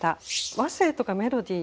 和声とかメロディー